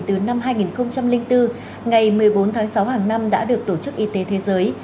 từ năm hai nghìn bốn ngày một mươi bốn tháng sáu hàng năm đã được tổ chức y tế thế giới